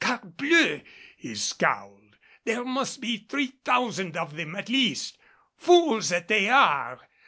"Crebleu!" he scowled, "there must be three thousand of them at least. Fools that they are!